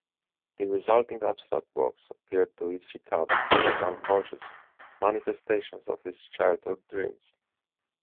The resulting abstract works appeared to Ishikawa as unconscious manifestations of his childhood dreams.